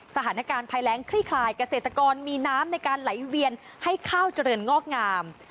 สถานการณ์ภัยแรงคลี่คลายเกษตรกรมีน้ำในการไหลเวียนให้ข้าวเจริญงอกงาม